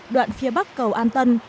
đoạn phía bắc cầu an tân